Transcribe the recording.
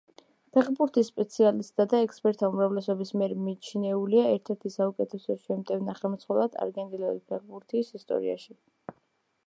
ფეხბურთის სპეციალისტთა და ექსპერტთა უმრავლესობის მიერ მიჩნეულია ერთ-ერთ საუკეთესო შემტევ ნახევარმცველად არგენტინული ფეხბურთის ისტორიაში.